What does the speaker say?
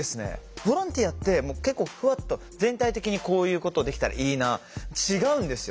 ボランティアって結構ふわっと全体的にこういうことができたらいいな違うんですよ。